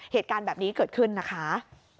เหตุการณ์แบบนี้เกิดขึ้นนะคะ